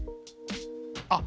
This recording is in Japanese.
あっ！